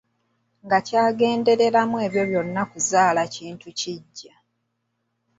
Nga ky'agenderera mu ebyo byonna kuzaala kintu kiggya.